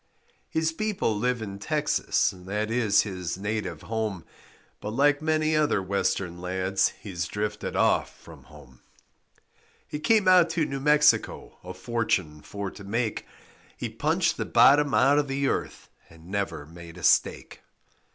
His people live in Texas, That is his native home, But like many other Western lads He drifted off from home. He came out to New Mexico A fortune for to make, He punched the bottom out of the earth And never made a stake.